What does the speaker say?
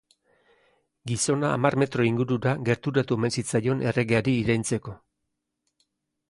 Gizona hamar metro ingurura gerturatu omen zitzaion erregeari iraintzeko.